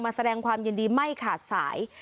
แสดงความยินดีไม่ขาดสาย